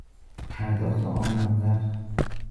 پرداخت آن مبلغ